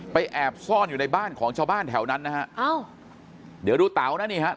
แอบซ่อนอยู่ในบ้านของชาวบ้านแถวนั้นนะฮะอ้าวเดี๋ยวดูเตานะนี่ฮะ